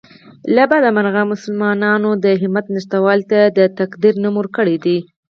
له بده مرغه مسلمانانو د همت نشتوالي ته د تقدیر نوم ورکړی دی